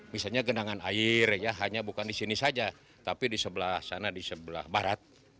misalnya genangan air ya hanya bukan di sini saja tapi di sebelah sana di sebelah barat